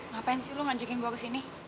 ngapain sih lu ngajakin gue kesini